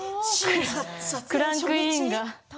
クランクインが。